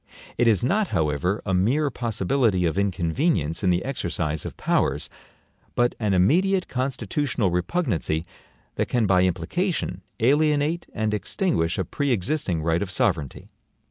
It is not, however a mere possibility of inconvenience in the exercise of powers, but an immediate constitutional repugnancy that can by implication alienate and extinguish a pre existing right of sovereignty.